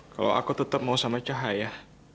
kalau aku tetap mau sama cahaya